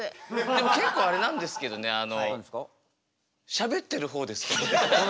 でも結構あれなんですけどねしゃべってる方です。